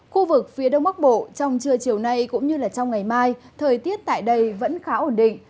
khu vực phía đông bắc bộ trong trưa chiều nay cũng như trong ngày mai thời tiết tại đây vẫn khá ổn định